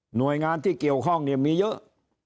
หน่วยงานที่เกี่ยวข้องเนี่ยมีเยอะ